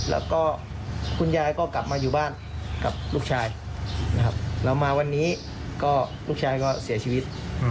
แล้วก็คุณยายก็กลับมาอยู่บ้านกับลูกชายนะครับแล้วมาวันนี้ก็ลูกชายก็เสียชีวิต